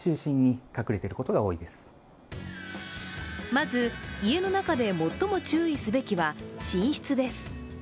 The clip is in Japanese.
まず、家の中で最も注意すべきは寝室です。